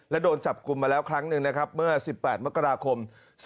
และโดนจับกลุ่มมาแล้วครั้งหนึ่งนะครับเมื่อ๑๘มกราคม๒๕๖